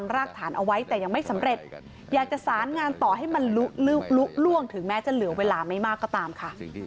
ลุกร่วงถึงแม้จะเหลือเวลาไม่มากก็ตามค่ะ